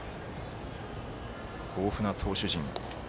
豊富な投手陣。